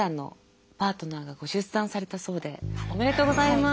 おめでとうございます。